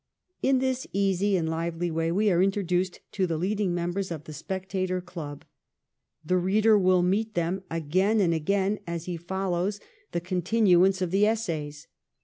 * In this easy and lively way we are introduced to the leading members of ' The Spectator ' Club. The reader will meet them again and again as he follows the continuance of the essays.